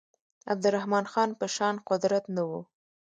عبدالرحمن خان په شان قدرت نه وو.